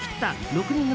６人組